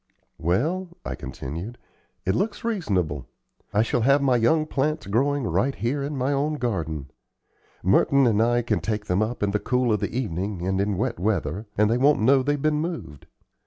"Well," I continued, "it looks reasonable. I shall have my young plants growing right here in my own garden. Merton and I can take them up in the cool of the evening and in wet weather, and they won't know they've been moved.